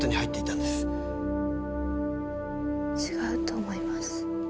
違うと思います。